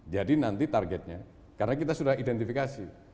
jadi nanti targetnya karena kita sudah identifikasi